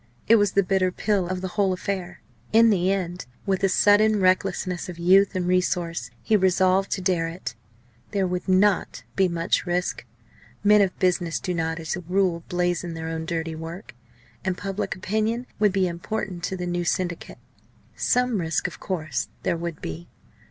It was the bitter pill of the whole affair. In the end, with a sudden recklessness of youth and resource, he resolved to dare it. There would not be much risk. Men of business do not as a rule blazon their own dirty work, and public opinion would be important to the new Syndicate. Some risk, of course, there would be.